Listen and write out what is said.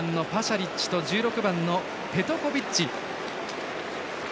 リッチと１６番のペトコビッチ。